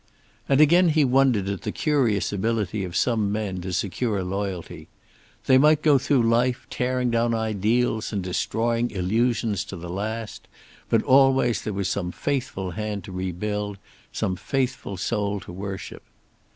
And again he wondered at the curious ability of some men to secure loyalty. They might go through life, tearing down ideals and destroying illusions to the last, but always there was some faithful hand to rebuild, some faithful soul to worship.